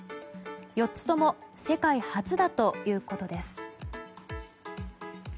４つとも世界初だということです。